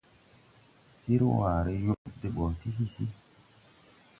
Sir waaré yob de ɓɔ ti hisi.